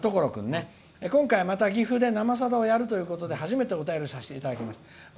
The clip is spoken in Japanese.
今回、また岐阜で「生さだ」をやるということで初めてお便りさせていただきました」。